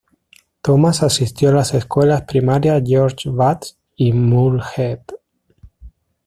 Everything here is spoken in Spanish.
Thomas asistió a las escuelas primarias George Watts y Moorehead.